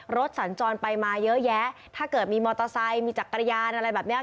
สัญจรไปมาเยอะแยะถ้าเกิดมีมอเตอร์ไซค์มีจักรยานอะไรแบบเนี้ย